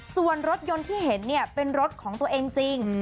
ส่วนรถยนต์ที่เห็นเนี่ยเป็นรถของตัวเองจริง